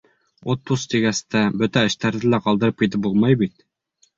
Отпуск тигәс тә, бөтә эштәрҙе лә ҡалдырып китеп булмай бит.